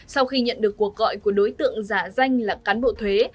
sau khi nhận được cuộc gọi của đối tượng giả danh là cán bộ thuế